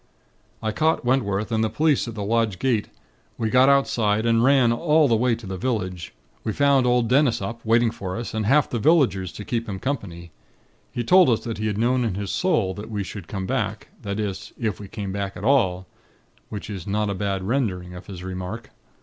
"I caught Wentworth and the police at the lodge gate. We got outside, and ran all the way to the village. We found old Dennis up, waiting for us, and half the villagers to keep him company. He told us that he had known in his 'sowl' that we should come back, that is, if we came back at all; which is not a bad rendering of his remark.